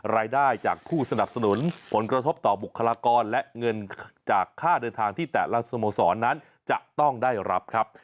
รายได้จากผู้สนับสนุนผลกระทบต่อบุคลากรและเงินจากค่าเดินทางที่แต่ละสโมสรนั้นจะต้องได้รับครับ